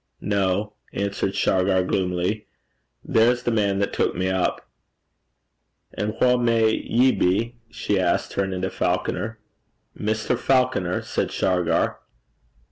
'No,' answered Shargar, gloomily. 'There's the man that took me up.' 'An' wha may ye be?' she asked, turning to Falconer. 'Mr. Falconer,' said Shargar.